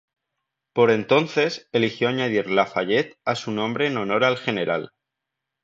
Por entonces, eligió añadir "Lafayette" a su nombre en honor al general.